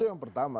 itu yang pertama